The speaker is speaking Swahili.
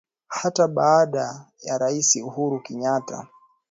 Hata baada ya Rais Uhuru Kenyatta